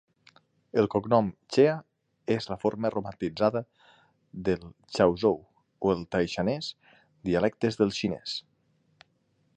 El cognom "Chea" és la forma romanitzada del chaozhou o el taixanès, dialectes del xinès.